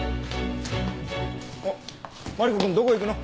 あっマリコ君どこ行くの？